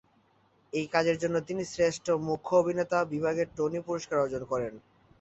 এই কাজের জন্য তিনি শ্রেষ্ঠ মুখ্য অভিনেতা বিভাগে টনি পুরস্কার অর্জন করেন।